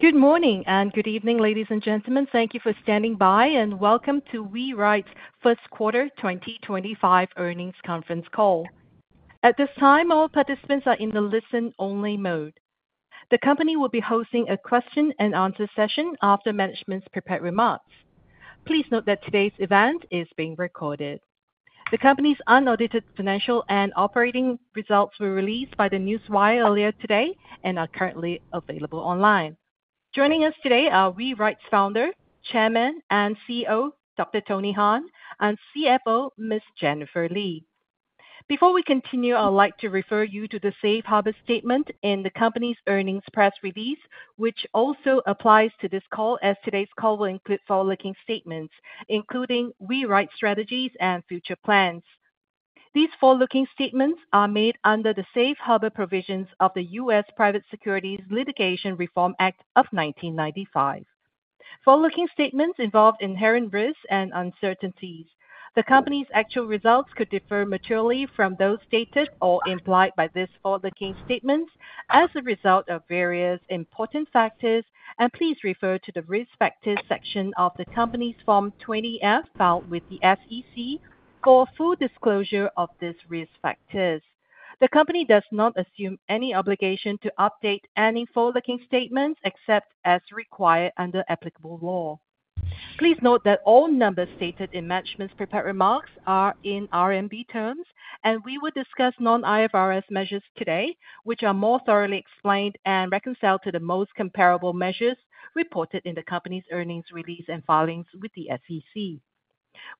Good morning and good evening, ladies and gentlemen. Thank you for standing by, and welcome to WeRide's first quarter 2025 earnings conference call. At this time, all participants are in the listen-only mode. The company will be hosting a question-and-answer session after management's prepared remarks. Please note that today's event is being recorded. The company's unaudited financial and operating results were released by the Newswire earlier today and are currently available online. Joining us today are WeRide's Founder, Chairman, and CEO, Dr. Tony Han, and CFO, Ms. Jennifer Li. Before we continue, I'd like to refer you to the Safe Harbor Statement in the company's earnings press release, which also applies to this call, as today's call will include forward-looking statements, including WeRide strategies and future plans. These forward-looking statements are made under the Safe Harbor provisions of the U.S. Private Securities Litigation Reform Act of 1995. Forward-looking statements involve inherent risks and uncertainties. The company's actual results could differ materially from those stated or implied by these forward-looking statements as a result of various important factors, and please refer to the risk factors section of the company's Form 20-F, filed with the SEC, for full disclosure of these risk factors. The company does not assume any obligation to update any forward-looking statements except as required under applicable law. Please note that all numbers stated in management's prepared remarks are in RMB terms, and we will discuss non-IFRS measures today, which are more thoroughly explained and reconciled to the most comparable measures reported in the company's earnings release and filings with the SEC.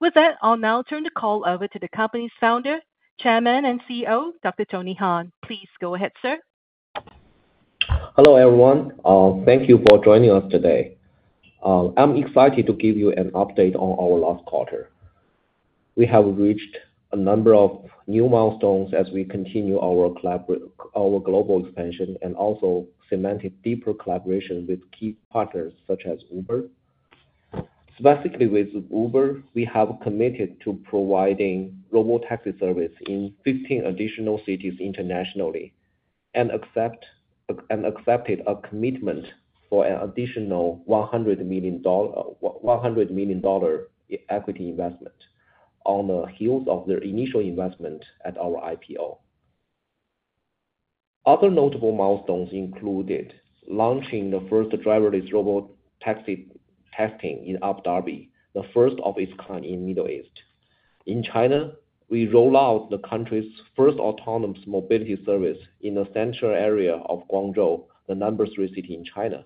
With that, I'll now turn the call over to the company's Founder, Chairman, and CEO, Dr. Tony Han. Please go ahead, sir. Hello, everyone. Thank you for joining us today. I'm excited to give you an update on our last quarter. We have reached a number of new milestones as we continue our global expansion and also cemented deeper collaboration with key partners such as Uber. Specifically, with Uber, we have committed to providing Robotaxi services in 15 additional cities internationally and accepted a commitment for an additional $100 million equity investment on the heels of their initial investment at our IPO. Other notable milestones included launching the first driverless Robotaxi testing in Abu Dhabi, the first of its kind in the Middle East. In China, we rolled out the country's first autonomous mobility service in the central area of Guangzhou, the number three city in China.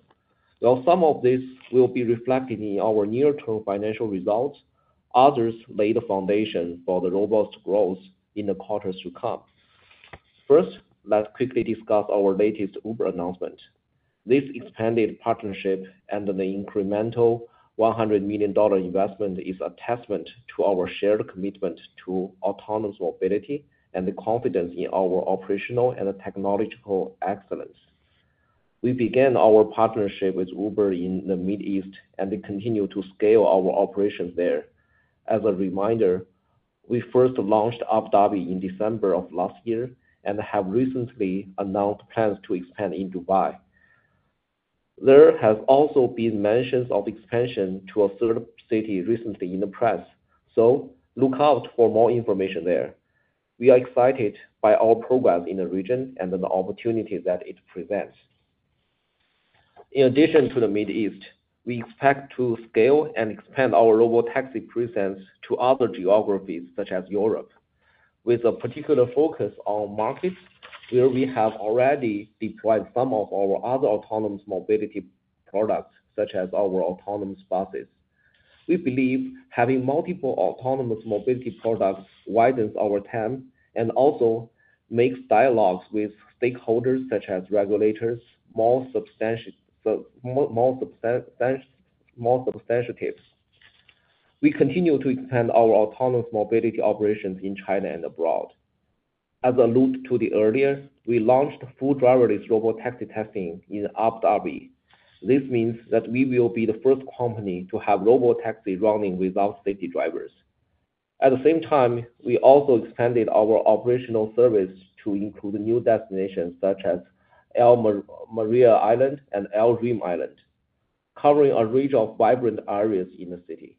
While some of this will be reflected in our near-term financial results, others laid the foundation for the robust growth in the quarters to come. First, let's quickly discuss our latest Uber announcement. This expanded partnership and the incremental $100 million investment is a testament to our shared commitment to autonomous mobility and the confidence in our operational and technological excellence. We began our partnership with Uber in the Middle East and continue to scale our operations there. As a reminder, we first launched Abu Dhabi in December of last year and have recently announced plans to expand in Dubai. There has also been mentions of expansion to a third city recently in the press, so look out for more information there. We are excited by our progress in the region and the opportunity that it presents. In addition to the Middle East, we expect to scale and expand our robotaxi presence to other geographies such as Europe, with a particular focus on markets where we have already deployed some of our other autonomous mobility products, such as our autonomous buses. We believe having multiple autonomous mobility products widens our term and also makes dialogues with stakeholders such as regulators more substantive. We continue to expand our autonomous mobility operations in China and abroad. As a loop to the earlier, we launched full driverless Robotaxi testing in Abu Dhabi. This means that we will be the first company to have Robotaxi running without safety drivers. At the same time, we also expanded our operational service to include new destinations such as Al Maryah Island and Al Reem Island, covering a range of vibrant areas in the city.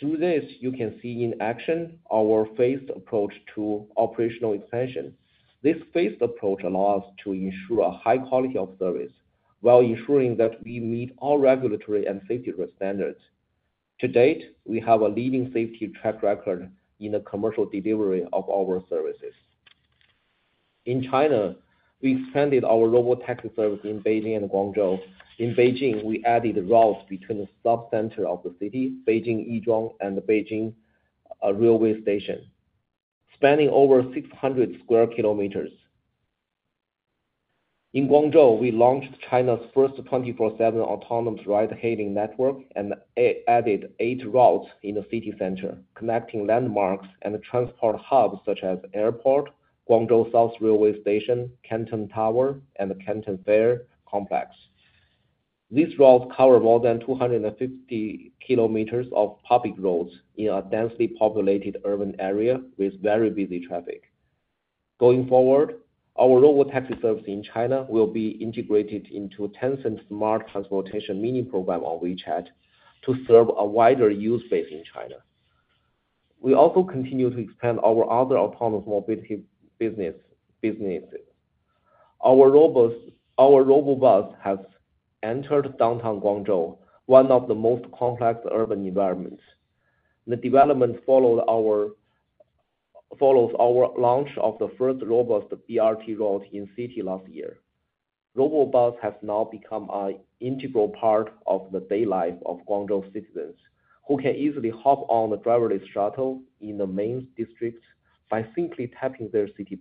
Through this, you can see in action our phased approach to operational expansion. This phased approach allows us to ensure a high quality of service while ensuring that we meet all regulatory and safety standards. To date, we have a leading safety track record in the commercial delivery of our services. In China, we expanded our Robotaxi service in Beijing and Guangzhou. In Beijing, we added routes between the sub-center of the city, Beijing Yizhuang, and the Beijing Railway Station, spanning over 600 sq km. In Guangzhou, we launched China's first 24/7 autonomous ride-hailing network and added eight routes in the city center, connecting landmarks and transport hubs such as the airport, Guangzhou South Railway Station, Canton Tower, and the Canton Fair Complex. These routes cover more than 250 km of public roads in a densely populated urban area with very busy traffic. Going forward, our Robotaxi service in China will be integrated into Tencent's Smart Transportation Mini Program on WeChat to serve a wider use base in China. We also continue to expand our other autonomous mobility businesses. Our Robobus has entered downtown Guangzhou, one of the most complex urban environments. The development follows our launch of the first robust BRT route in the city last year. Robobus has now become an integral part of the day life of Guangzhou citizens, who can easily hop on the driverless shuttle in the main district by simply tapping their city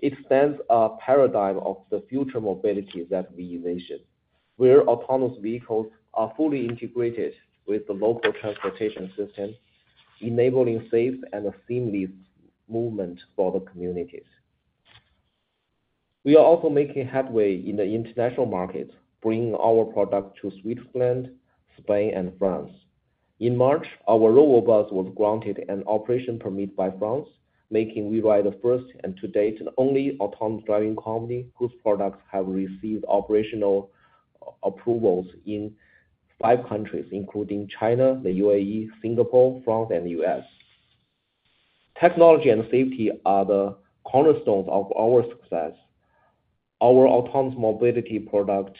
pass. It stands as a paradigm of the future mobility that we envision, where autonomous vehicles are fully integrated with the local transportation system, enabling safe and seamless movement for the communities. We are also making headway in the international market, bringing our products to Switzerland, Spain, and France. In March, our Robobus was granted an operation permit by France, making WeRide the first and to date the only autonomous driving company whose products have received operational approvals in five countries, including China, the UAE, Singapore, France, and the U.S. Technology and safety are the cornerstones of our success. Our autonomous mobility product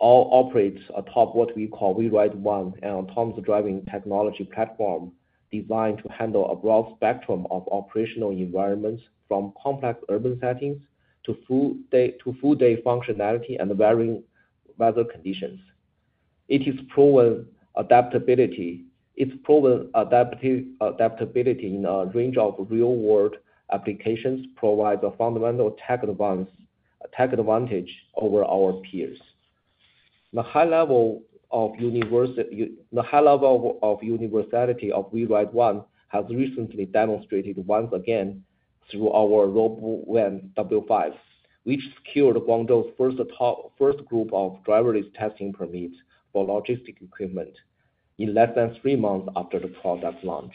operates atop what we call WeRide One, an autonomous driving technology platform designed to handle a broad spectrum of operational environments, from complex urban settings to full-day functionality and varying weather conditions. Its proven adaptability in a range of real-world applications provides a fundamental tech advantage over our peers. The high level of universality of WeRide One has recently demonstrated once again through our Robovan W5, which secured Guangzhou's first group of driverless testing permits for logistic equipment in less than three months after the product launch.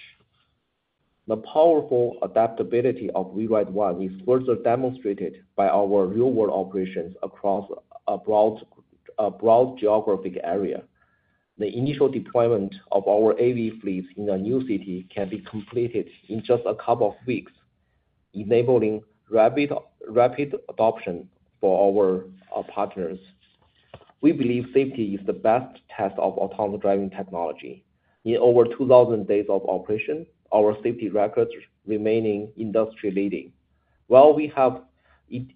The powerful adaptability of WeRide One is further demonstrated by our real-world operations across a broad geographic area. The initial deployment of our AV fleets in a new city can be completed in just a couple of weeks, enabling rapid adoption for our partners. We believe safety is the best test of autonomous driving technology. In over 2,000 days of operation, our safety records remain industry-leading. While we have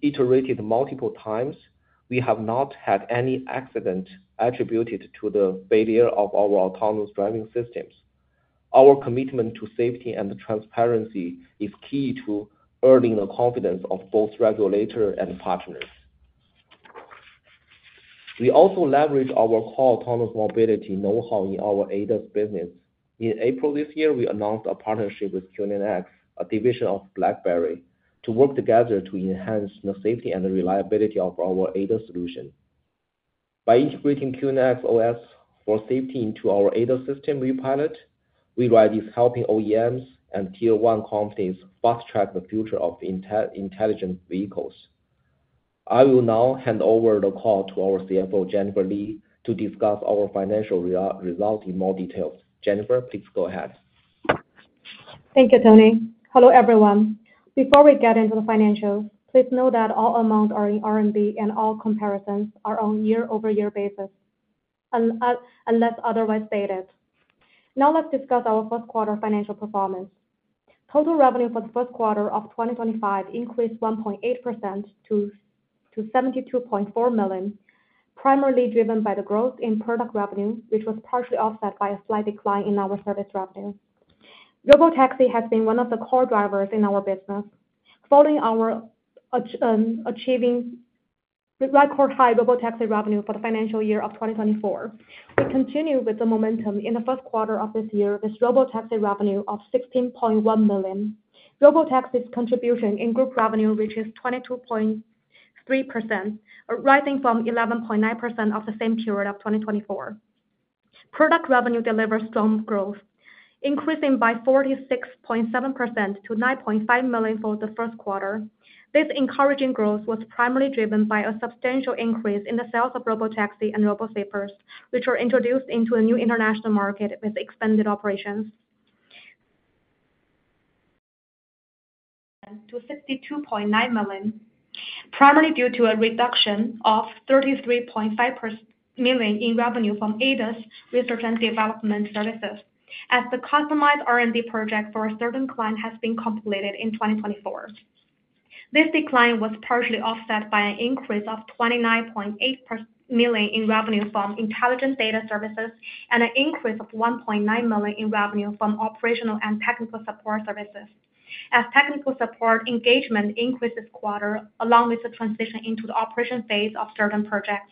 iterated multiple times, we have not had any accident attributed to the failure of our autonomous driving systems. Our commitment to safety and transparency is key to earning the confidence of both regulators and partners. We also leverage our core autonomous mobility know-how in our ADAS business. In April this year, we announced a partnership with QNX, a division of BlackBerry, to work together to enhance the safety and reliability of our ADAS solution. By integrating QNX OS for safety into our ADAS system, WeRide is helping OEMs and tier-one companies fast-track the future of intelligent vehicles. I will now hand over the call to our CFO, Jennifer Li, to discuss our financial results in more detail. Jennifer, please go ahead. Thank you, Tony. Hello, everyone. Before we get into the financials, please note that all amounts are in RMB and all comparisons are on year-over-year basis, unless otherwise stated. Now, let's discuss our first quarter financial performance. Total revenue for the first quarter of 2025 increased 1.8% to 72.4 million, primarily driven by the growth in product revenue, which was partially offset by a slight decline in our service revenue. Robotaxi has been one of the core drivers in our business. Following our achieving record-high Robotaxi revenue for the financial year of 2024, we continue with the momentum in the first quarter of this year with Robotaxi revenue of 16.1 million. Robotaxi's contribution in group revenue reaches 22.3%, rising from 11.9% of the same period of 2024. Product revenue delivers strong growth, increasing by 46.7% to 9.5 million for the first quarter. This encouraging growth was primarily driven by a substantial increase in the sales of Robotaxi and Robosweeper, which were introduced into a new international market with expanded operations. To 62.9 million, primarily due to a reduction of 33.5 million in revenue from ADAS Research and Development Services, as the customized R&D project for a certain client has been completed in 2024. This decline was partially offset by an increase of 29.8 million in revenue from Intelligent Data Services and an increase of 1.9 million in revenue from Operational and Technical Support Services, as technical support engagement increased this quarter along with the transition into the operation phase of certain projects.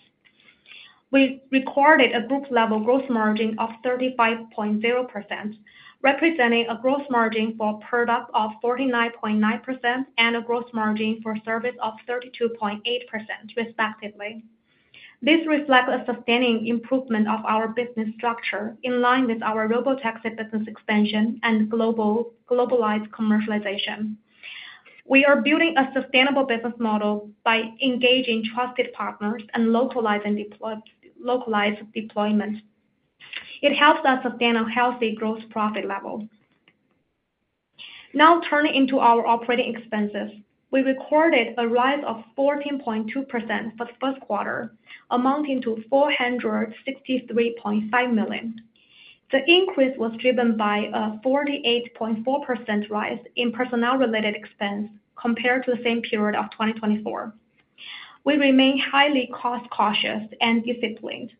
We recorded a group-level gross margin of 35.0%, representing a gross margin for product of 49.9% and a gross margin for service of 32.8%, respectively. This reflects a sustaining improvement of our business structure in line with our Robotaxi business expansion and globalized commercialization. We are building a sustainable business model by engaging trusted partners and localized deployment. It helps us sustain a healthy gross profit level. Now, turning into our operating expenses, we recorded a rise of 14.2% for the first quarter, amounting to 463.5 million. The increase was driven by a 48.4% rise in personnel-related expense compared to the same period of 2024. We remain highly cost-cautious and disciplined.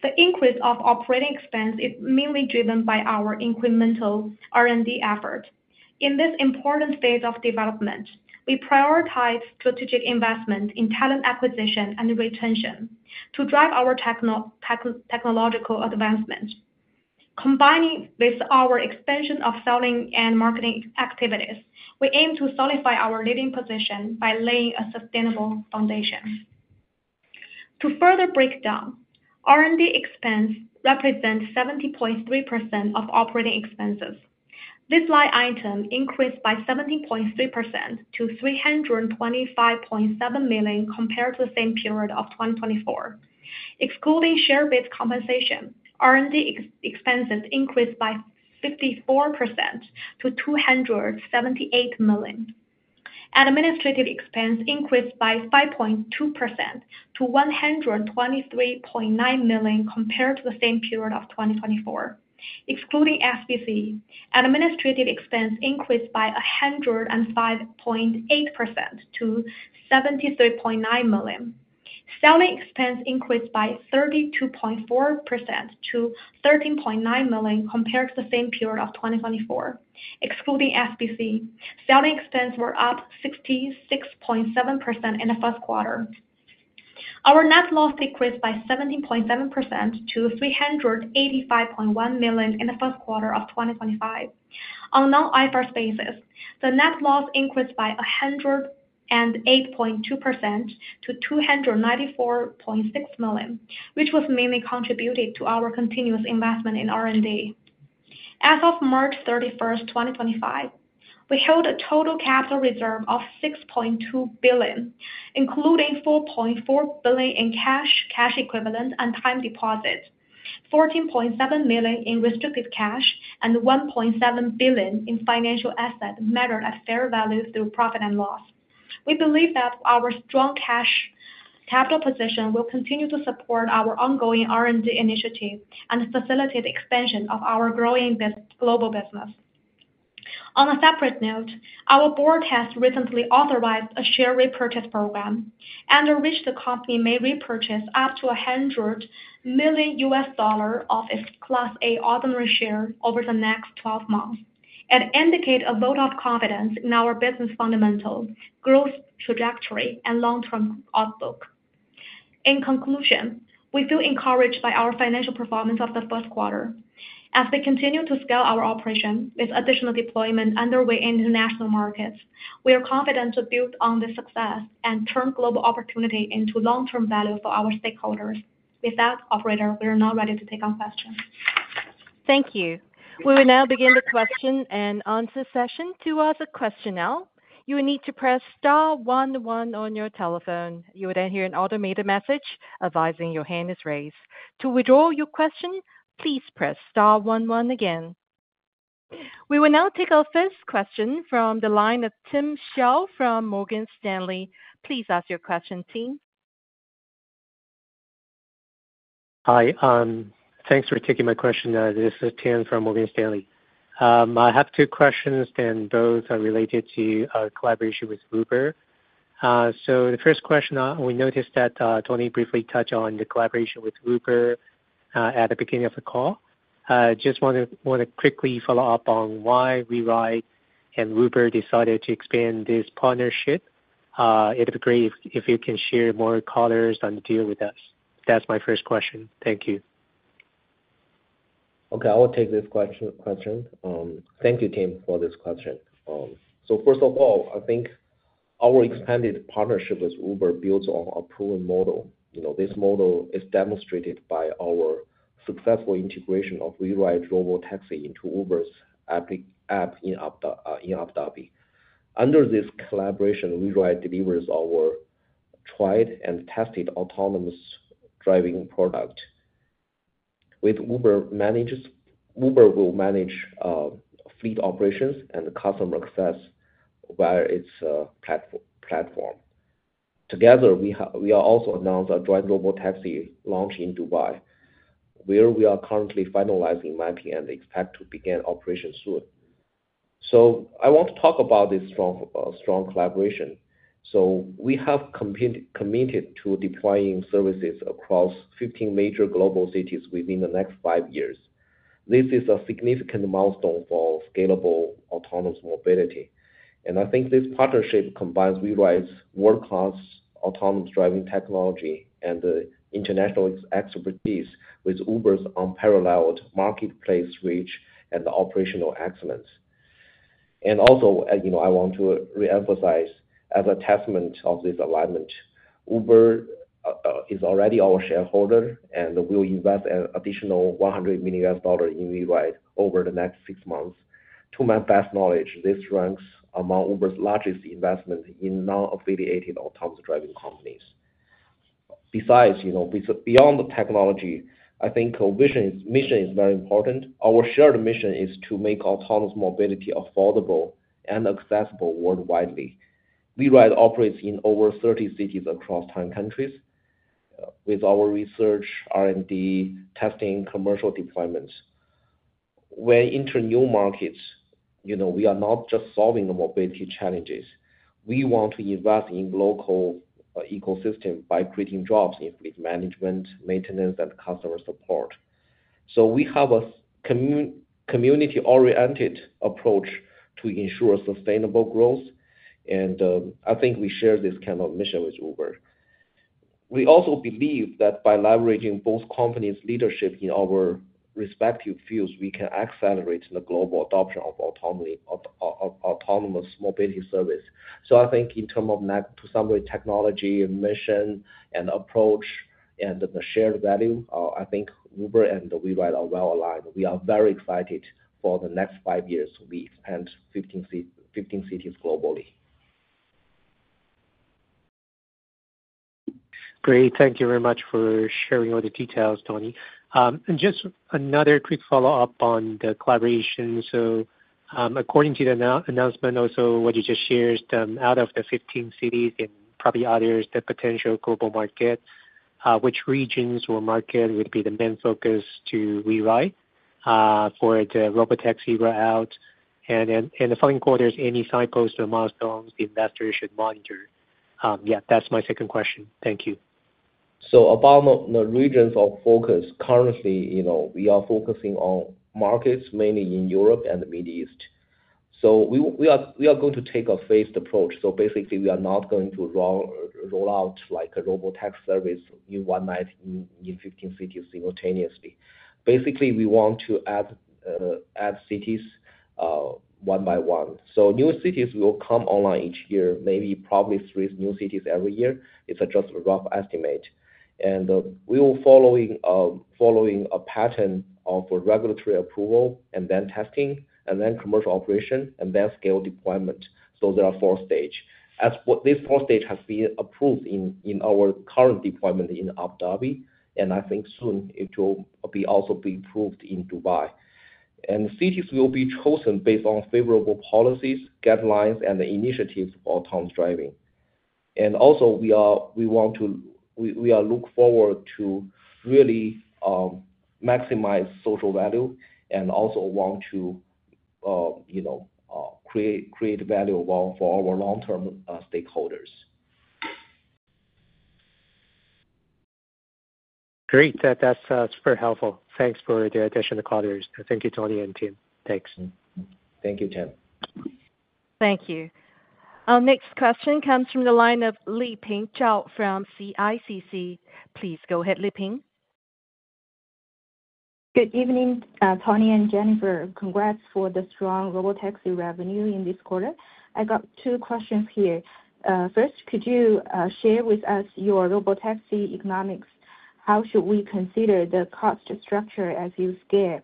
The increase of operating expense is mainly driven by our incremental R&D effort. In this important phase of development, we prioritize strategic investment in talent acquisition and retention to drive our technological advancement. Combining with our expansion of selling and marketing activities, we aim to solidify our leading position by laying a sustainable foundation. To further break down, R&D expense represents 70.3% of operating expenses. This line item increased by 17.3% to 325.7 million compared to the same period of 2024. Excluding share-based compensation, R&D expenses increased by 54% to 278 million. Administrative expense increased by 5.2% to 123.9 million compared to the same period of 2024. Excluding SBC, administrative expense increased by 105.8% to 73.9 million. Selling expense increased by 32.4% to 13.9 million compared to the same period of 2024. Excluding SBC, selling expense were up 66.7% in the first quarter. Our net loss decreased by 17.7% to 385.1 million in the first quarter of 2025. On a non-IFRS basis, the net loss increased by 108.2% to 294.6 million, which was mainly contributed to our continuous investment in R&D. As of March 31st, 2025, we held a total capital reserve of 6.2 billion, including 4.4 billion in cash, cash equivalent, and time deposits, 14.7 million in restricted cash, and 1.7 billion in financial assets measured at fair value through profit and loss. We believe that our strong cash capital position will continue to support our ongoing R&D initiative and facilitate the expansion of our growing global business. On a separate note, our board has recently authorized a share repurchase program and, in which the company may repurchase up to $100 million of its Class A ordinary share over the next 12 months and indicate a vote of confidence in our business fundamentals, growth trajectory, and long-term outlook. In conclusion, we feel encouraged by our financial performance of the first quarter. As we continue to scale our operation with additional deployment underway in international markets, we are confident to build on this success and turn global opportunity into long-term value for our stakeholders. With that, Operator, we are now ready to take our questions. Thank you. We will now begin the question and answer session. To ask a question now, you will need to press star one one on your telephone. You will then hear an automated message advising your hand is raised. To withdraw your question, please press star one one again. We will now take our first question from the line of Tim Hsiao from Morgan Stanley. Please ask your question, Tim. Hi. Thanks for taking my question. This is Tim from Morgan Stanley. I have two questions, and both are related to our collaboration with Uber. The first question, we noticed that Tony briefly touched on the collaboration with Uber at the beginning of the call. Just want to quickly follow up on why WeRide and Uber decided to expand this partnership? It would be great if you can share more colors on the deal with us. That's my first question. Thank you. Okay. I will take this question. Thank you, Tim, for this question. First of all, I think our expanded partnership with Uber builds on a proven model. This model is demonstrated by our successful integration of WeRide Robotaxi into Uber's app in Abu Dhabi. Under this collaboration, WeRide delivers our tried-and-tested autonomous driving product, while Uber will manage fleet operations and customer access via its platform. Together, we also announced a driverless Robotaxi launch in Dubai, where we are currently finalizing mapping and expect to begin operations soon. I want to talk about this strong collaboration. We have committed to deploying services across 15 major global cities within the next five years. This is a significant milestone for scalable autonomous mobility. I think this partnership combines WeRide's world-class autonomous driving technology and international expertise with Uber's unparalleled marketplace reach and operational excellence. I want to re-emphasize, as a testament of this alignment, Uber is already our shareholder, and we will invest an additional $100 million in WeRide over the next six months. To my best knowledge, this ranks among Uber's largest investments in non-affiliated autonomous driving companies. Besides, beyond the technology, I think our mission is very important. Our shared mission is to make autonomous mobility affordable and accessible worldwide. WeRide operates in over 30 cities across 10 countries with our research, R&D, testing, and commercial deployments. When entering new markets, we are not just solving the mobility challenges. We want to invest in the local ecosystem by creating jobs in fleet management, maintenance, and customer support. We have a community-oriented approach to ensure sustainable growth, and I think we share this kind of mission with Uber. We also believe that by leveraging both companies' leadership in our respective fields, we can accelerate the global adoption of autonomous mobility service. I think in terms of, to summary, technology, mission, and approach, and the shared value, I think Uber and WeRide are well aligned. We are very excited for the next five years to expand 15 cities globally. Great. Thank you very much for sharing all the details, Tony. Just another quick follow-up on the collaboration. According to the announcement, also what you just shared, out of the 15 cities and probably others, the potential global market, which regions or market would be the main focus to WeRide for the robotaxi rollout? In the following quarters, any cycles or milestones the investors should monitor? Yeah, that's my second question. Thank you. About the regions of focus, currently, we are focusing on markets mainly in Europe and the Middle East. We are going to take a phased approach. Basically, we are not going to roll out a Robotaxi service in one night in 15 cities simultaneously. We want to add cities one by one. New cities will come online each year, maybe probably three new cities every year. It's just a rough estimate. We will be following a pattern of regulatory approval, then testing, then commercial operation, then scale deployment. There are four stages. These four stages have been approved in our current deployment in Abu Dhabi, and I think soon it will also be approved in Dubai. Cities will be chosen based on favorable policies, guidelines, and initiatives for autonomous driving. We look forward to really maximize social value and also want to create value for our long-term stakeholders. Great. That's super helpful. Thanks for the additional quarters. Thank you, Tony and Jen. Thanks. Thank you, Tim. Thank you. Our next question comes from the line of Liping Zhao from CICC. Please go ahead, Liping. Good evening, Tony and Jennifer. Congrats for the strong Robotaxi revenue in this quarter. I got two questions here. First, could you share with us your Robotaxi economics? How should we consider the cost structure as you scale?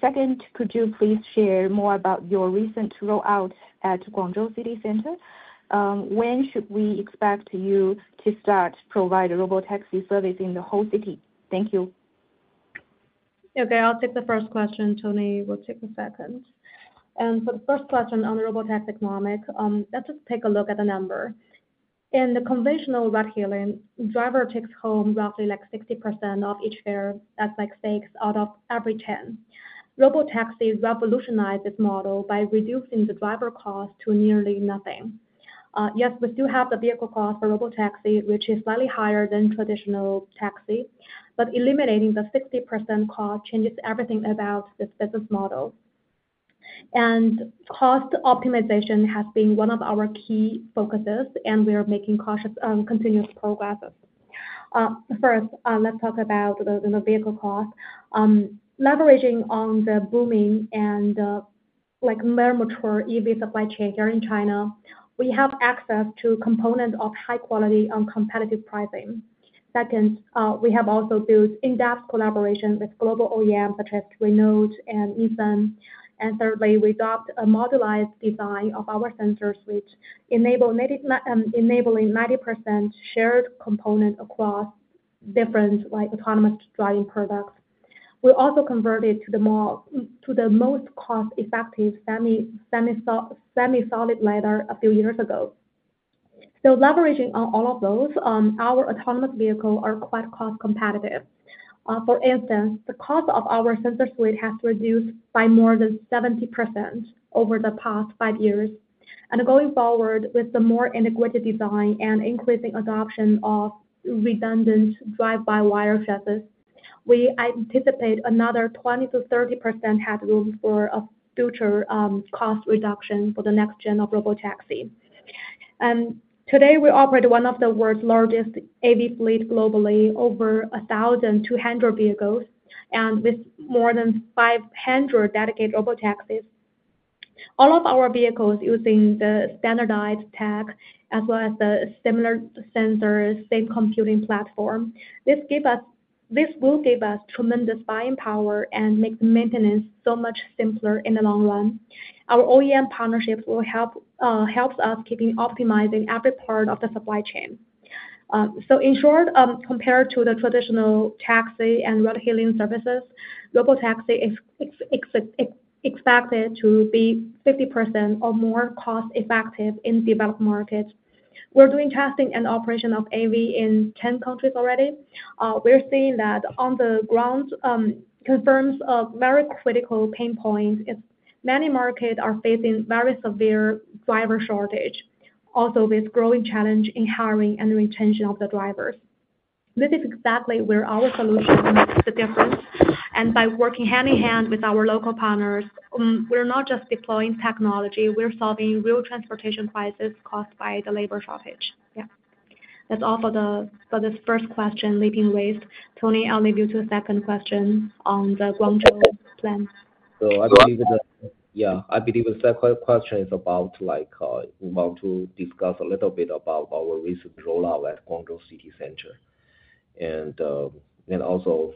Second, could you please share more about your recent rollout at Guangzhou City Center? When should we expect you to start providing Robotaxi service in the whole city? Thank you. Okay. I'll take the first question. Tony will take the second. For the first question on the Robotaxi economics, let's just take a look at the number. In the conventional ride-hailing, driver takes home roughly 60% of each share as like six out of every 10. Robotaxi revolutionized this model by reducing the driver cost to nearly nothing. Yes, we still have the vehicle cost for Robotaxi, which is slightly higher than traditional taxi, but eliminating the 60% cost changes everything about this business model. Cost optimization has been one of our key focuses, and we are making continuous progress. First, let's talk about the vehicle cost. Leveraging on the booming and more mature EV supply chain here in China, we have access to components of high quality on competitive pricing. Second, we have also built in-depth collaboration with global OEMs such as Renault and Nissan. Thirdly, we adopt a modularized design of our sensor suite, enabling 90% shared components across different autonomous driving products. We also converted to the most cost-effective semi-solid leather a few years ago. Leveraging on all of those, our autonomous vehicles are quite cost-competitive. For instance, the cost of our sensor suite has reduced by more than 70% over the past five years. Going forward with the more integrated design and increasing adoption of redundant drive-by-wire chassis, we anticipate another 20% to 30% headroom for future cost reduction for the next gen of Robotaxi. Today, we operate one of the world's largest AV fleets globally, over 1,200 vehicles, with more than 500 dedicated Robotaxis. All of our vehicles use the standardized tech as well as similar sensors, same computing platform. This will give us tremendous buying power and make the maintenance so much simpler in the long run. Our OEM partnerships help us keep optimizing every part of the supply chain. In short, compared to the traditional taxi and ride-hailing services, Robotaxi is expected to be 50% or more cost-effective in developed markets. We're doing testing and operation of AV in 10 countries already. We're seeing that on the ground confirms a very critical pain point. Many markets are facing a very severe driver shortage, also with growing challenge in hiring and retention of the drivers. This is exactly where our solution makes the difference. By working hand-in-hand with our local partners, we're not just deploying technology. We're solving real transportation crises caused by the labor shortage. Yeah. That's all for this first question, Liping Zhao. Tony, I'll leave you to the second question on the Guangzhou plan. I believe the second question is about we want to discuss a little bit about our recent rollout at Guangzhou City Center. Also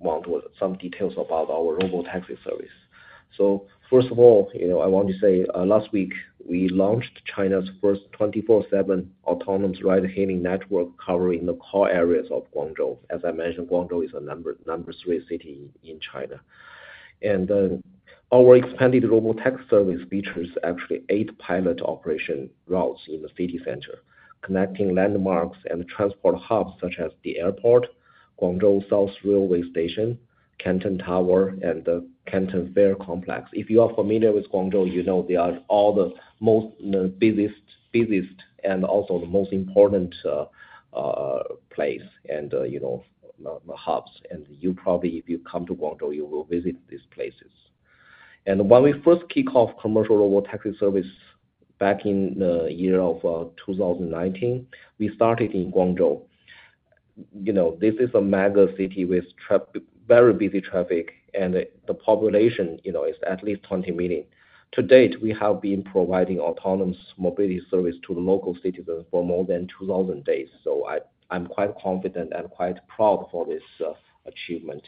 want some details about our Robotaxi service. First of all, I want to say last week, we launched China's first 24/7 autonomous ride-hailing network covering the core areas of Guangzhou. As I mentioned, Guangzhou is a number three city in China. Our expanded Robotaxi service features actually eight pilot operation routes in the city center, connecting landmarks and transport hubs such as the airport, Guangzhou South Railway Station, Canton Tower, and the Canton Fair Complex. If you are familiar with Guangzhou, you know they are all the busiest and also the most important place and hubs. You probably, if you come to Guangzhou, you will visit these places. When we first kicked off commercial Robotaxi service back in the year of 2019, we started in Guangzhou. This is a mega city with very busy traffic, and the population is at least 20 million. To date, we have been providing autonomous mobility service to the local citizens for more than 2,000 days. I'm quite confident and quite proud for this achievement.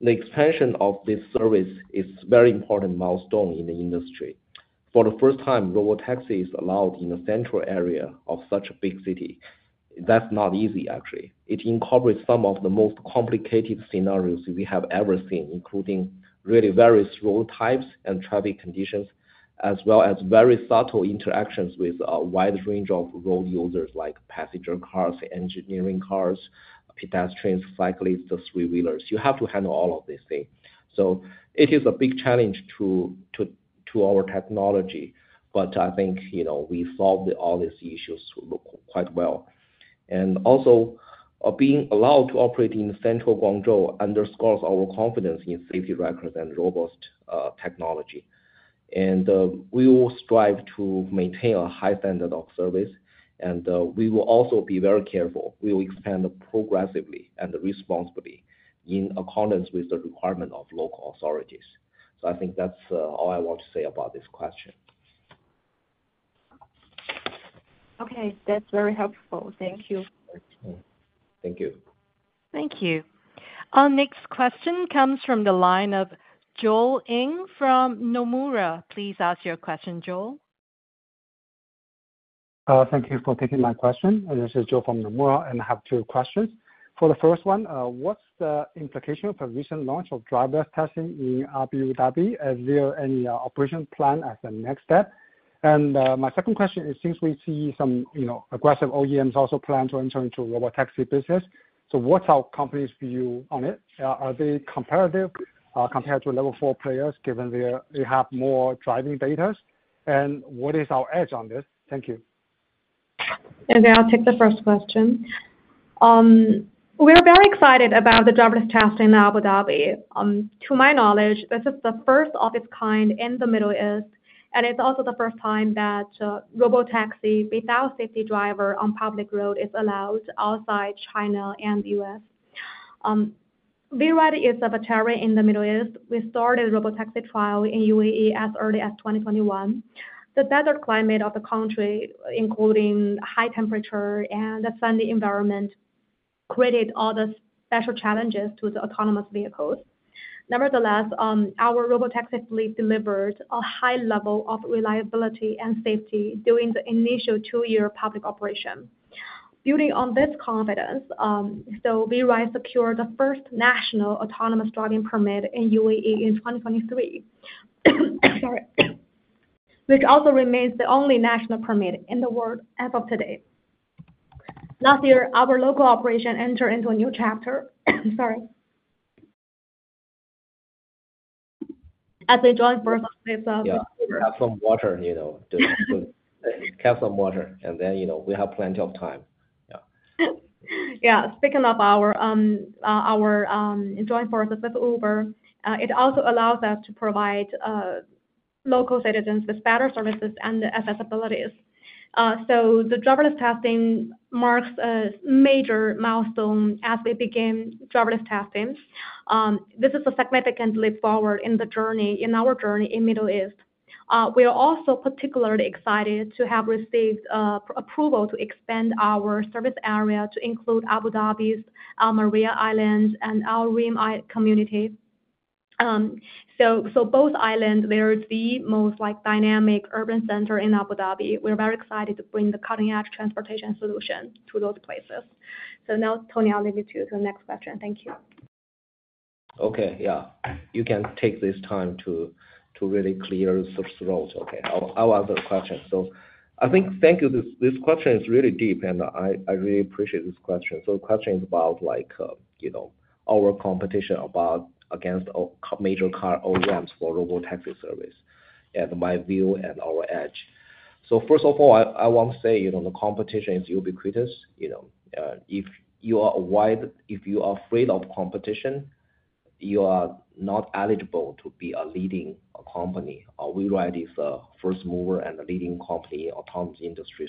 The expansion of this service is a very important milestone in the industry. For the first time, Robotaxi is allowed in the central area of such a big city. That's not easy, actually. It incorporates some of the most complicated scenarios we have ever seen, including really various road types and traffic conditions, as well as very subtle interactions with a wide range of road users like passenger cars, engineering cars, pedestrians, cyclists, three-wheelers. You have to handle all of these things. It is a big challenge to our technology, but I think we solved all these issues quite well. Also, being allowed to operate in central Guangzhou underscores our confidence in safety records and robust technology. We will strive to maintain a high standard of service, and we will also be very careful. We will expand progressively and responsibly in accordance with the requirement of local authorities. I think that's all I want to say about this question. Okay. That's very helpful. Thank you. Thank you. Thank you. Our next question comes from the line of Joel Ying from Nomura. Please ask your question, Joel. Thank you for taking my question. This is Joel from Nomura, and I have two questions. For the first one, what's the implication of a recent launch of driver testing in Abu Dhabi? Is there any operation plan as a next step? My second question is, since we see some aggressive OEMs also plan to enter into the Robotaxi business, what's our company's view on it? Are they competitive compared to level four players given they have more driving data? What is our edge on this? Thank you. Okay. I'll take the first question. We're very excited about the driverless taxi in Abu Dhabi. To my knowledge, this is the first of its kind in the Middle East, and it's also the first time that Robotaxi without safety driver on public road is allowed outside China and the U.S. WeRide is a veteran in the Middle East. We started a Robotaxi trial in UAE as early as 2021. The desert climate of the country, including high temperature and the sunny environment, created all the special challenges to the autonomous vehicles. Nevertheless, our Robotaxi fleet delivered a high level of reliability and safety during the initial two-year public operation. Building on this confidence, WeRide secured the first national autonomous driving permit in UAE in 2023, which also remains the only national permit in the world as of today. Last year, our local operation entered into a new chapter. Sorry. As they join forces with Uber. Yeah. Have some water. And then we have plenty of time. Yeah. Speaking of our joint forces with Uber, it also allows us to provide local citizens with better services and accessibility. The driverless testing marks a major milestone as we begin driverless testing. This is a significant leap forward in our journey in the Middle East. We are also particularly excited to have received approval to expand our service area to include Abu Dhabi's Al Maryah Island and Al Reem community. Both islands, they are the most dynamic urban center in Abu Dhabi. We're very excited to bring the cutting-edge transportation solution to those places. Now, Tony, I'll leave you to the next question. Thank you. Okay. Yeah. You can take this time to really clear some throats. Okay. I'll answer the question. I think thank you. This question is really deep, and I really appreciate this question. The question is about our competition against major car OEMs for Robotaxi service and my view and our edge. First of all, I want to say the competition is ubiquitous. If you are afraid of competition, you are not eligible to be a leading company. WeRide is a first mover and a leading company in the autonomous industry.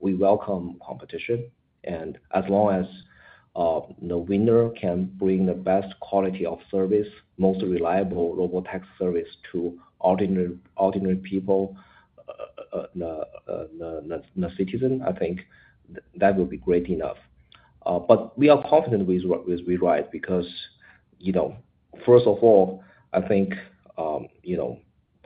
We welcome competition. As long as the winner can bring the best quality of service, most reliable Robotaxi service to ordinary people, the citizen, I think that will be great enough. We are confident with WeRide because, first of all, I think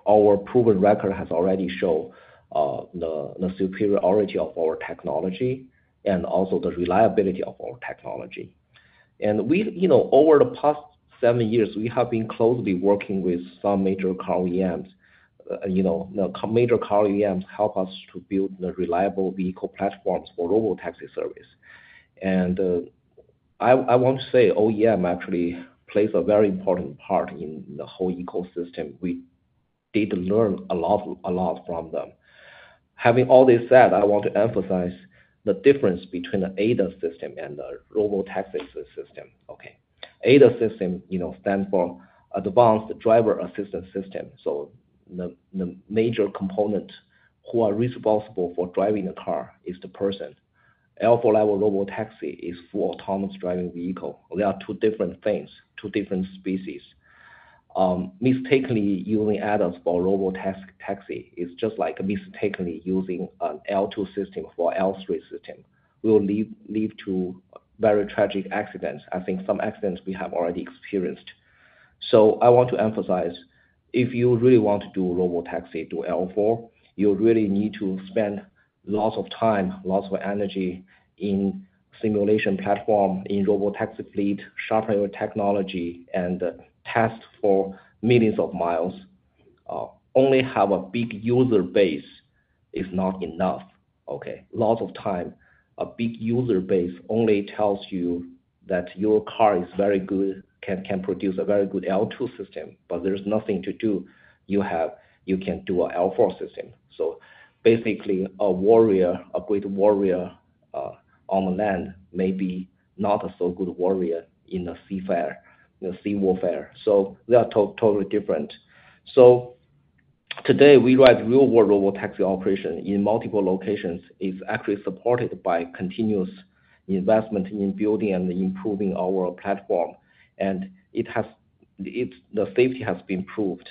our proven record has already shown the superiority of our technology and also the reliability of our technology. Over the past seven years, we have been closely working with some major car OEMs. The major car OEMs help us to build the reliable vehicle platforms for Robotaxi service. I want to say OEM actually plays a very important part in the whole ecosystem. We did learn a lot from them. Having all this said, I want to emphasize the difference between the ADAS system and the Robotaxi system. ADAS system stands for Advanced Driver Assistance System. The major component who is responsible for driving the car is the person. L4-level Robotaxi is full autonomous driving vehicle. They are two different things, two different species. Mistakenly using ADAS for Robotaxi is just like mistakenly using an L2 system for L3 system. We will lead to very tragic accidents. I think some accidents we have already experienced. I want to emphasize, if you really want to do Robotaxi to L4, you really need to spend lots of time, lots of energy in simulation platform, in Robotaxi fleet, sharpen your technology, and test for millions of miles. Only have a big user base is not enough. Lots of time, a big user base only tells you that your car is very good, can produce a very good L2 system, but there's nothing to do. You can do an L4 system. Basically, a warrior, a great warrior on the land may be not a so good warrior in the sea warfare. They are totally different. Today, WeRide's real-world Robotaxi operation in multiple locations is actually supported by continuous investment in building and improving our platform. The safety has been proved.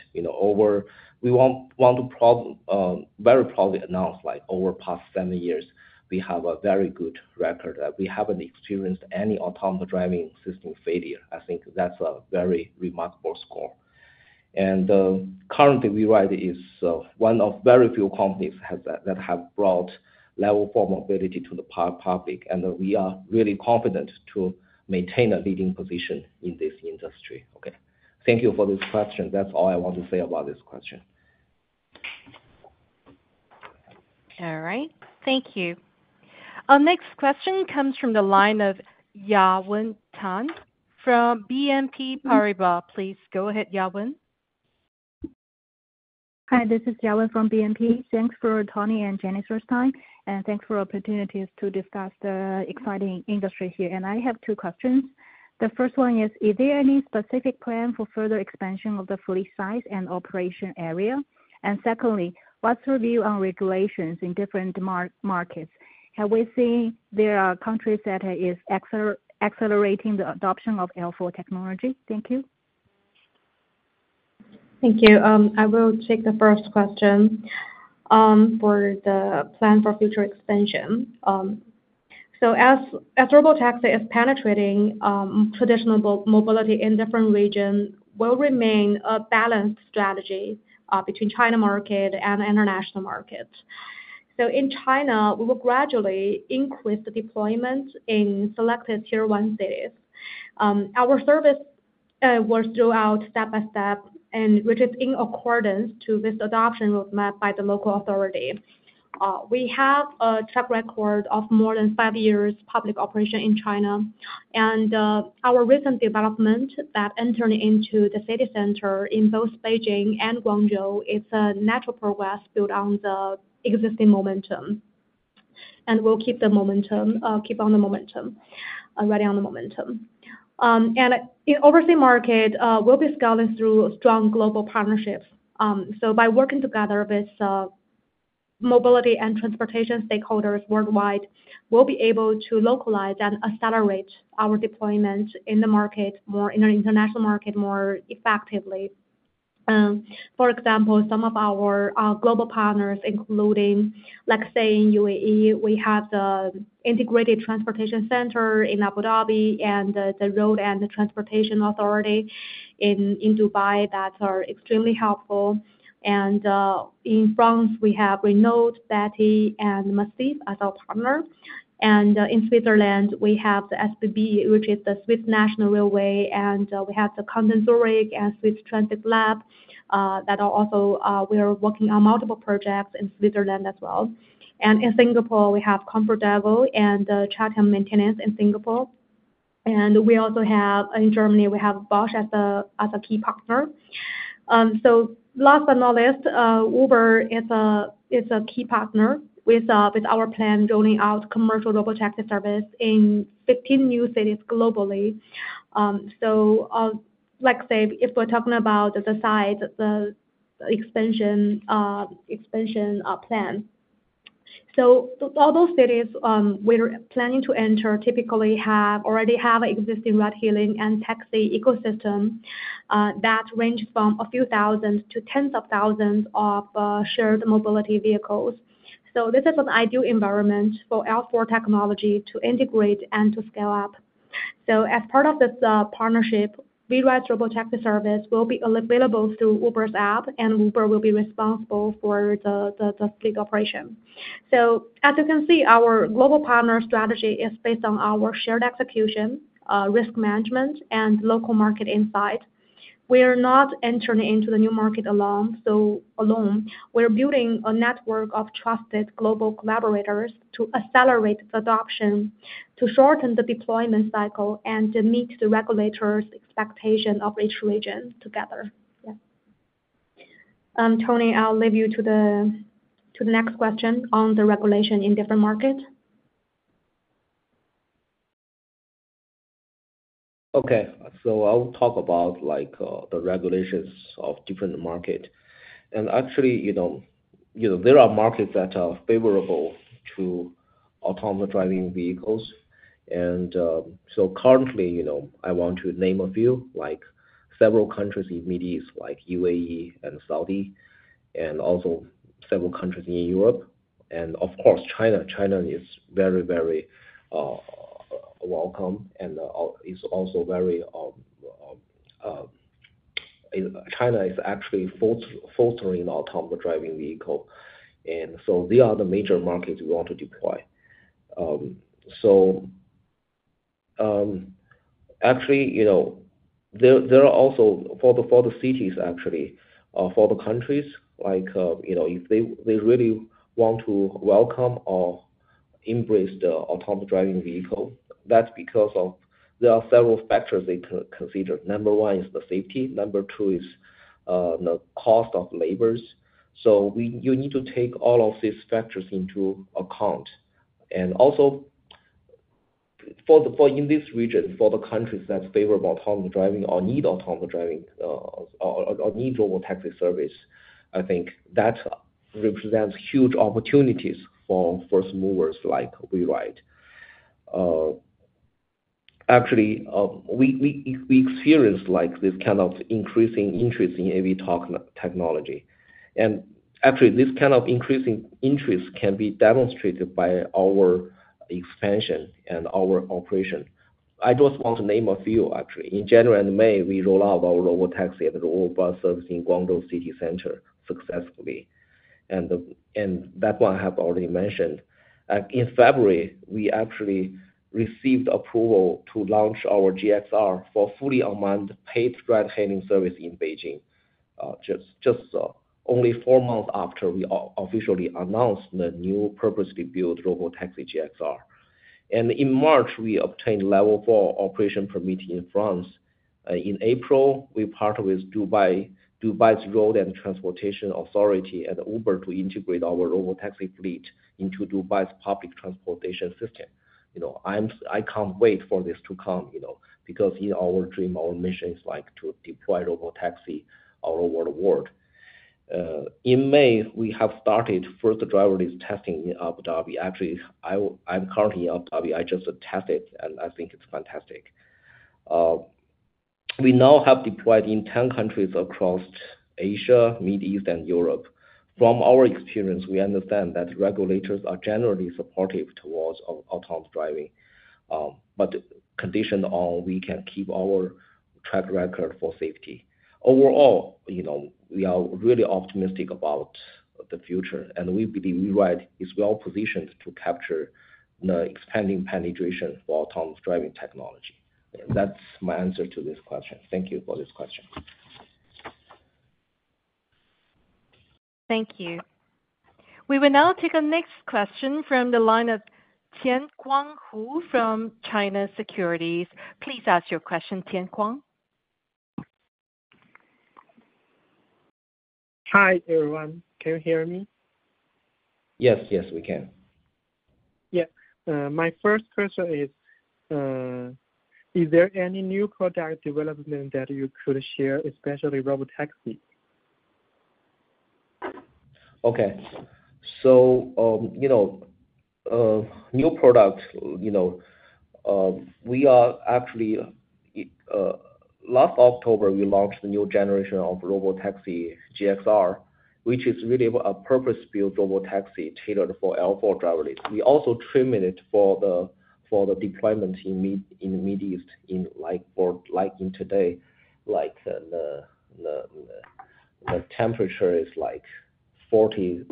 We want to very proudly announce over the past seven years, we have a very good record. We have not experienced any autonomous driving system failure. I think that is a very remarkable score. Currently, WeRide is one of very few companies that have brought level four mobility to the public. We are really confident to maintain a leading position in this industry. Thank you for this question. That is all I want to say about this question. All right. Thank you. Our next question comes from the line of Yawen Tan from BNP Paribas. Please go ahead, Yawen. Hi. This is Yawen from BNP. Thanks for Tony and Jennifer's time. Thanks for the opportunities to discuss the exciting industry here. I have two questions. The first one is, is there any specific plan for further expansion of the fleet size and operation area? Secondly, what's your view on regulations in different markets? Have we seen there are countries that are accelerating the adoption of L4 technology? Thank you. Thank you. I will take the first question for the plan for future expansion. As Robotaxi is penetrating traditional mobility in different regions, we will remain a balanced strategy between China market and international markets. In China, we will gradually increase the deployment in selected tier one cities. Our service was throughout step by step, and it is in accordance to this adoption roadmap by the local authority. We have a track record of more than five years' public operation in China. Our recent development that entered into the city center in both Beijing and Guangzhou is a natural progress built on the existing momentum. We will keep on the momentum, riding on the momentum. In overseas market, we will be scaling through strong global partnerships. By working together with mobility and transportation stakeholders worldwide, we'll be able to localize and accelerate our deployment in the market, in the international market, more effectively. For example, some of our global partners, including say in UAE, we have the Integrated Transportation Center in Abu Dhabi and the Road and Transportation Authority in Dubai that are extremely helpful. In France, we have Renault, Beti, and Macif as our partner. In Switzerland, we have the SBB, which is the Swiss National Railway. We have the Canton of Zurich and Swiss Transit Lab that are also we are working on multiple projects in Switzerland as well. In Singapore, we have ComfortDelGro and Chye Thiam Maintenance in Singapore. In Germany, we have Bosch as a key partner. Last but not least, Uber is a key partner with our plan of rolling out commercial Robotaxi service in 15 new cities globally. If we're talking about the size, the expansion plan, all those cities we're planning to enter typically already have an existing ride-hailing and taxi ecosystem that ranges from a few thousand to tens of thousands of shared mobility vehicles. This is an ideal environment for L4 technology to integrate and to scale up. As part of this partnership, WeRide's Robotaxi service will be available through Uber's app, and Uber will be responsible for the fleet operation. As you can see, our global partner strategy is based on our shared execution, risk management, and local market insight. We are not entering into the new market alone. Alone, we're building a network of trusted global collaborators to accelerate the adoption, to shorten the deployment cycle, and to meet the regulator's expectation of each region together. Yeah. Tony, I'll leave you to the next question on the regulation in different markets. Okay. I'll talk about the regulations of different markets. Actually, there are markets that are favorable to autonomous driving vehicles. Currently, I want to name a few, like several countries in the Middle East, like UAE and Saudi, and also several countries in Europe. Of course, China is very, very welcome. China is actually fostering autonomous driving vehicles. They are the major markets we want to deploy. Actually, for the cities, for the countries, if they really want to welcome or embrace the autonomous driving vehicle, that's because there are several factors they consider. Number one is the safety. Number two is the cost of labors. You need to take all of these factors into account. Also in this region, for the countries that favor autonomous driving or need autonomous driving or need Robotaxi service, I think that represents huge opportunities for first movers like WeRide. Actually, we experience this kind of increasing interest in AV technology. Actually, this kind of increasing interest can be demonstrated by our expansion and our operation. I just want to name a few, actually. In January and May, we rolled out our Robotaxi and Robobus service in Guangzhou City Center successfully. That one I have already mentioned. In February, we actually received approval to launch our GXR for fully unmanned paid ride-hailing service in Beijing, just only four months after we officially announced the new purposely built Robotaxi GXR. In March, we obtained level four operation permit in France. In April, we partnered with Dubai's Road and Transportation Authority and Uber to integrate our Robotaxi fleet into Dubai's public transportation system. I can't wait for this to come because our dream, our mission is to deploy Robotaxi all over the world. In May, we have started first driverless testing in Abu Dhabi. Actually, I'm currently in Abu Dhabi. I just tested it, and I think it's fantastic. We now have deployed in 10 countries across Asia, Middle East, and Europe. From our experience, we understand that regulators are generally supportive towards autonomous driving, but conditioned on we can keep our track record for safety. Overall, we are really optimistic about the future. We believe WeRide is well positioned to capture the expanding penetration for autonomous driving technology. That's my answer to this question. Thank you for this question. Thank you. We will now take a next question from the line of Tian Kuang Hu from China Securities. Please ask your question, Tian Kuang. Hi, everyone. Can you hear me? Yes, yes, we can. Yeah. My first question is, is there any new product development that you could share, especially Robotaxi? Okay. New product, we are actually last October, we launched the new generation of Robotaxi GXR, which is really a purpose-built Robotaxi tailored for L4 drivers. We also trimmed it for the deployment in the Middle East like in today. The temperature is like 40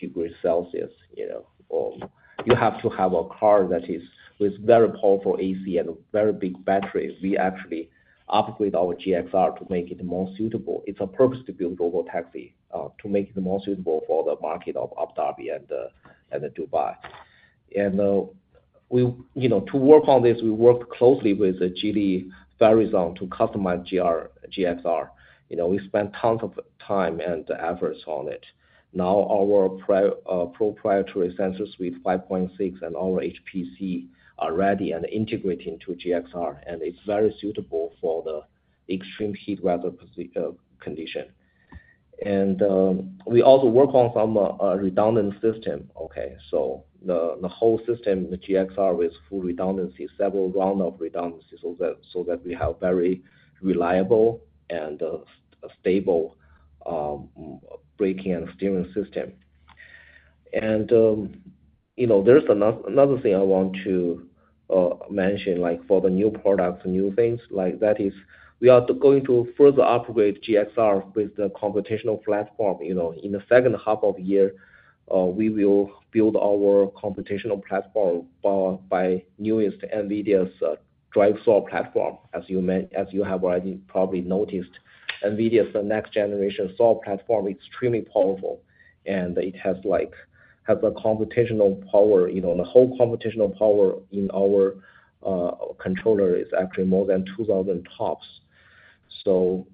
degrees Celsius. You have to have a car that is with very powerful AC and a very big battery. We actually upgraded our GXR to make it more suitable. It's a purpose-built Robotaxi to make it more suitable for the market of Abu Dhabi and Dubai. To work on this, we worked closely with Geely Horizon to customize GXR. We spent tons of time and efforts on it. Now, our proprietary Sensor Suite 5.6 and our HPC are ready and integrated into GXR. It's very suitable for the extreme heat weather condition. We also work on some redundant system. Okay. The whole system, the GXR with full redundancy, several rounds of redundancy so that we have very reliable and stable braking and steering system. There is another thing I want to mention for the new products, new things. That is, we are going to further upgrade GXR with the computational platform. In the second half of the year, we will build our computational platform by newest NVIDIA's drive software platform. As you have already probably noticed, NVIDIA's next generation software platform is extremely powerful. It has the computational power. The whole computational power in our controller is actually more than 2,000 TOPS. For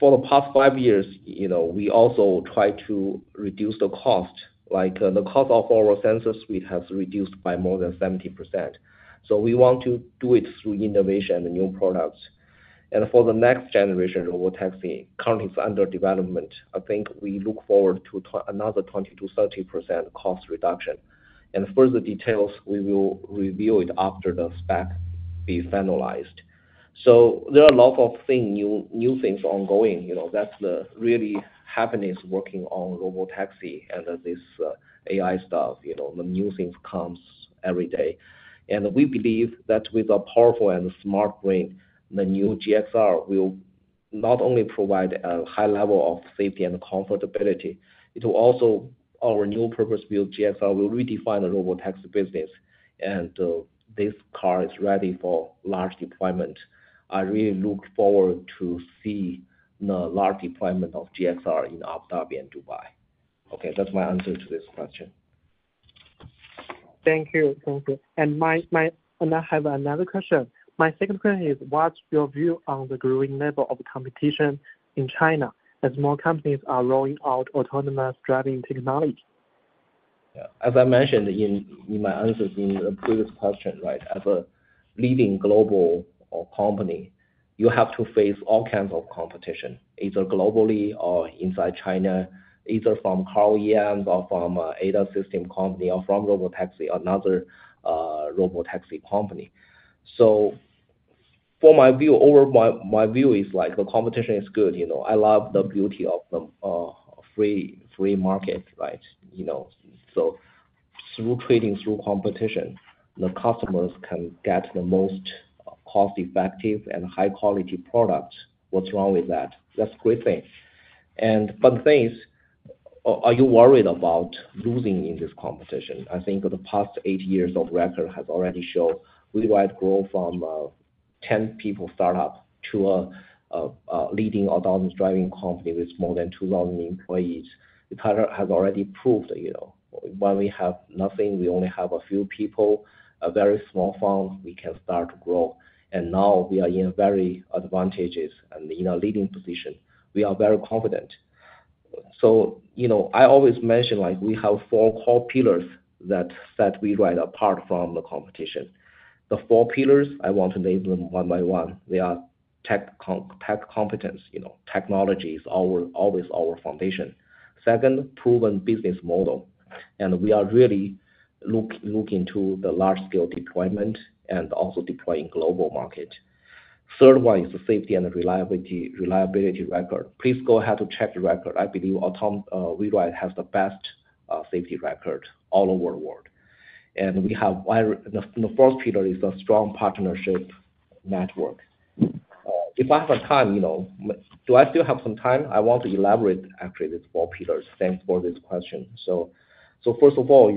the past five years, we also tried to reduce the cost. The cost of our sensor suite has reduced by more than 70%. We want to do it through innovation and the new products. For the next generation Robotaxi, currently it is under development. I think we look forward to another 20% to 30% cost reduction. Further details, we will reveal it after the spec be finalized. There are lots of new things ongoing. What is really happening is working on Robotaxi and this AI stuff. New things come every day. We believe that with a powerful and smart brain, the new GXR will not only provide a high level of safety and comfortability. It will also, our new purpose-built GXR will redefine the Robotaxi business. This car is ready for large deployment. I really look forward to seeing the large deployment of GXR in Abu Dhabi and Dubai. Okay. That is my answer to this question. Thank you. Thank you. I have another question. My second question is, what's your view on the growing level of competition in China as more companies are rolling out autonomous driving technology? Yeah. As I mentioned in my answers in the previous question, right, as a leading global company, you have to face all kinds of competition, either globally or inside China, either from OEMs or from data system company or from Robotaxi, another Robotaxi company. For my view, my view is the competition is good. I love the beauty of the free market, right? Through trading, through competition, the customers can get the most cost-effective and high-quality products. What's wrong with that? That's a great thing. The thing is, are you worried about losing in this competition? I think the past eight years of record has already shown WeRide grew from a 10-peope startup to a leading autonomous driving company with more than 2,000 employees. It has already proved when we have nothing, we only have a few people, a very small fund, we can start to grow. We are now in a very advantageous and in a leading position. We are very confident. I always mention we have four core pillars that set WeRide apart from the competition. The four pillars, I want to name them one by one. They are tech competence. Technology is always our foundation. Second, proven business model. We are really looking to the large-scale deployment and also deploying global market. Third one is the safety and reliability record. Please go ahead to check the record. I believe WeRide has the best safety record all over the world. The fourth pillar is a strong partnership network. If I have time, do I still have some time? I want to elaborate actually these four pillars. Thanks for this question. First of all,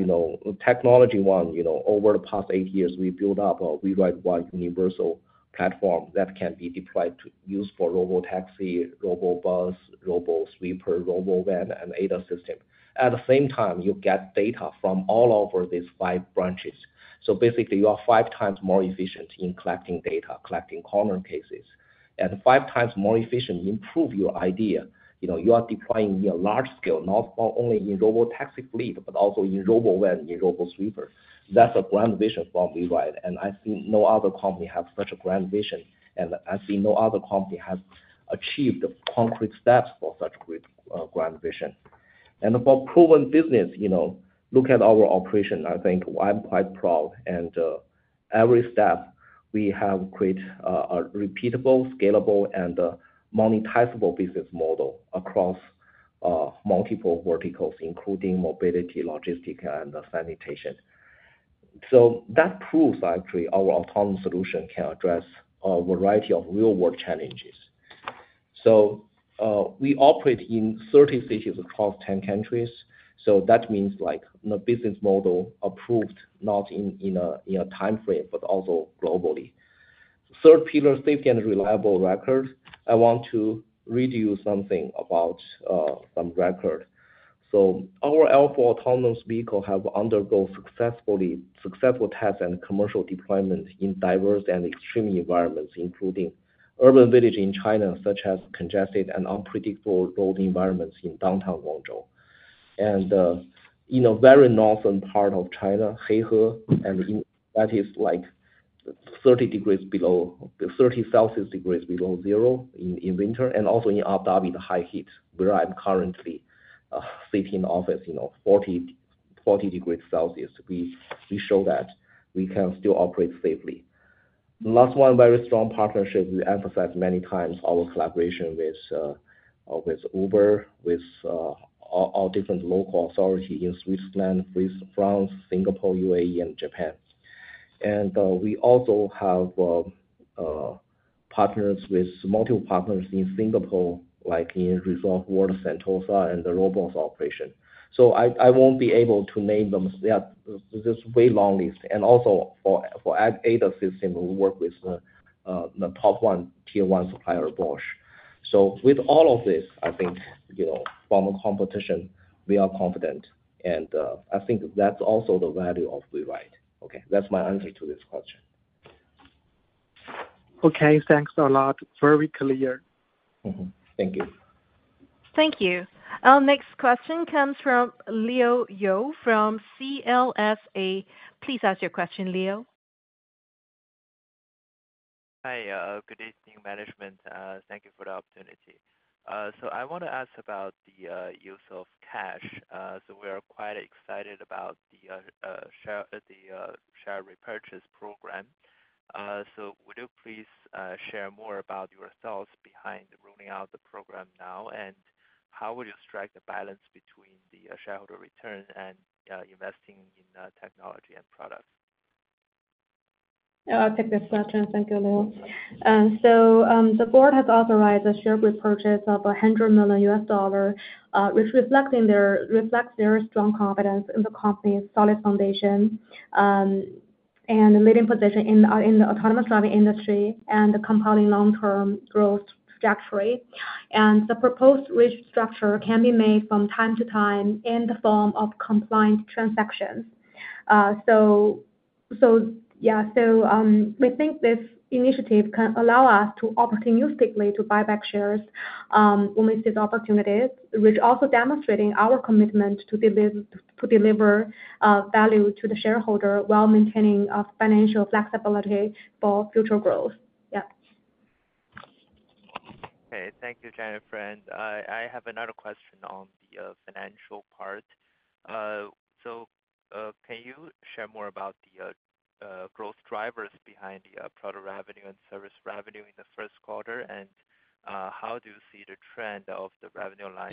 technology one, over the past eight years, we built up a WeRide One universal platform that can be deployed to use for Robotaxi, Robobus, Robosweeper, Robovan, and ADAS system. At the same time, you get data from all over these five branches. Basically, you are five times more efficient in collecting data, collecting corner cases, and five times more efficient in proving your idea. You are deploying large-scale, not only in vobotaxi fleet, but also in RoboVan, in Robosweeper. That is a grand vision from WeRide. I think no other company has such a grand vision. I think no other company has achieved concrete steps for such a grand vision. For proven business, look at our operation. I think I'm quite proud. At every step, we have created a repeatable, scalable, and monetizable business model across multiple verticals, including mobility, logistics, and sanitation. That proves actually our autonomous solution can address a variety of real-world challenges. We operate in 30 cities across 10 countries. That means the business model is proven not in a time frame, but also globally. Third pillar, safety and reliable record. I want to read you something about some record. Our L4 autonomous vehicle has undergone successful tests and commercial deployment in diverse and extreme environments, including urban villages in China, such as congested and unpredictable road environments in downtown Guangzhou. In a very northern part of China, Heihe, that is like 30 degrees Celsius below zero in winter. Also in Abu Dhabi, the high heat where I'm currently sitting in the office, 40 degrees Celsius. We show that we can still operate safely. Last one, very strong partnership. We emphasize many times our collaboration with Uber, with all different local authorities in Switzerland, France, Singapore, UAE, and Japan. We also have partners with multiple partners in Singapore, like in Resort World Sentosa and the robots operation. I won't be able to name them. This is a way long list. Also for ADAS system, we work with the top one tier one supplier, Bosch. With all of this, I think from the competition, we are confident. I think that's also the value of WeRide. Okay. That's my answer to this question. Okay. Thanks a lot. Very clear. Thank you. Thank you. Our next question comes from Leo You from CLSA. Please ask your question, Leo. Hi. Good evening, management. Thank you for the opportunity. I want to ask about the use of cash. We are quite excited about the share repurchase program. Would you please share more about your thoughts behind rolling out the program now, and how would you strike the balance between the shareholder return and investing in technology and products? Yeah. I'll take this question. Thank you, Leo. The board has authorized a share repurchase of $100 million, which reflects their strong confidence in the company's solid foundation and leading position in the autonomous driving industry and compounding long-term growth trajectory. The proposed risk structure can be made from time to time in the form of compliant transactions. Yeah. We think this initiative can allow us to opportunistically buy back shares when we see the opportunity, which also demonstrates our commitment to deliver value to the shareholder while maintaining financial flexibility for future growth. Yeah. Okay. Thank you, Jennifer. I have another question on the financial part. Can you share more about the growth drivers behind the product revenue and service revenue in the first quarter, and how do you see the trend of the revenue line?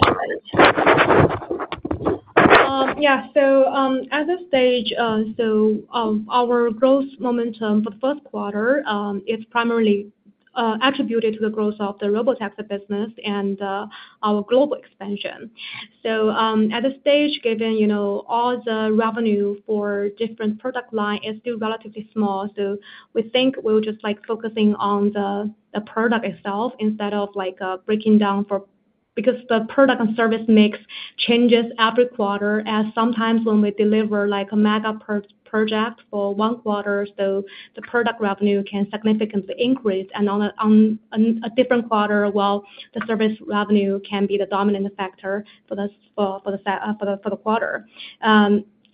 Yeah. As of this stage, our growth momentum for the first quarter is primarily attributed to the growth of the Robotaxi business and our global expansion. At this stage, given all the revenue for different product lines, it is still relatively small. We think we will just focus on the product itself instead of breaking down because the product and service mix changes every quarter, as sometimes when we deliver a mega project for one quarter, the product revenue can significantly increase. On a different quarter, the service revenue can be the dominant factor for the quarter.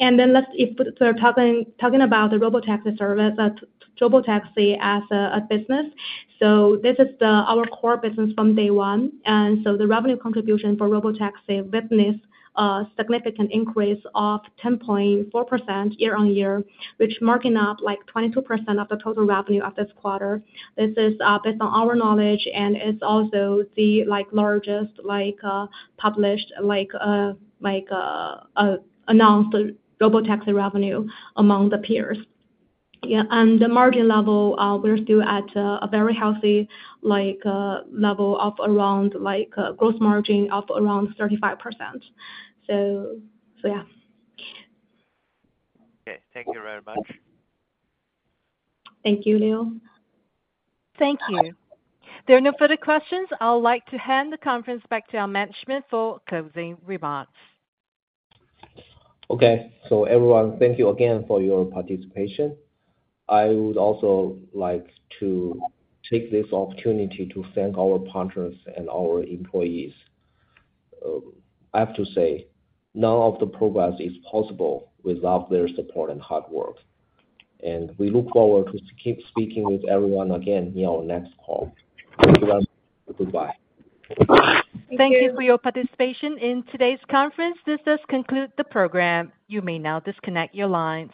If we are talking about the Robotaxi service as a business, this is our core business from day one. The revenue contribution for Robotaxi witnessed a significant increase of 10.4% year-on-year, which marked up 22% of the total revenue of this quarter. This is based on our knowledge, and it's also the largest published announced Robotaxi revenue among the peers. Yeah. And the margin level, we're still at a very healthy level of around gross margin of around 35%. Yeah. Okay. Thank you very much. Thank you, Leo. Thank you. There are no further questions. I'd like to hand the conference back to our management for closing remarks. Okay. So everyone, thank you again for your participation. I would also like to take this opportunity to thank our partners and our employees. I have to say, none of the progress is possible without their support and hard work. We look forward to speaking with everyone again in our next call. Thank you very much. Goodbye. Thank you for your participation in today's conference. This does conclude the program. You may now disconnect your lines.